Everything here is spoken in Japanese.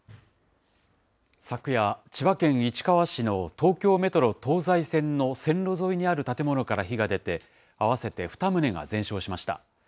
昨夜、千葉県市川市の東京メトロ東西線の線路沿いにある建物から火が出て、合わせて２棟が全焼しました。